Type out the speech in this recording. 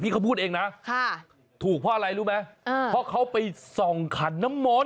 อ๋อสั้นแต่ได้ใจความ